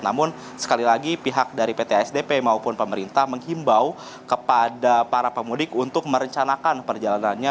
namun sekali lagi pihak dari pt asdp maupun pemerintah menghimbau kepada para pemudik untuk merencanakan perjalanannya